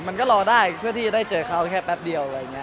มันก็รอได้เพื่อที่จะได้เจอเขาแค่แป๊บเดียวอะไรอย่างนี้